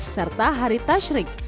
serta hari tashrik